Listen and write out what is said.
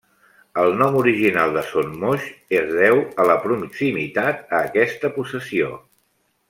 El nom original de Son Moix es deu a la proximitat a aquesta possessió.